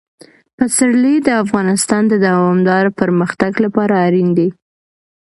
پسرلی د افغانستان د دوامداره پرمختګ لپاره اړین دي.